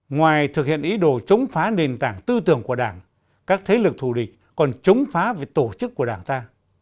ngoài thực hiện ý đồ chống phá nền tảng tư tưởng của đảng các thế lực thù địch còn chống phá về tổ chức của đảng ta